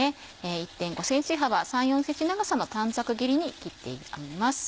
１．５ｃｍ幅３４ｃｍ長さの短冊切りに切ってあります。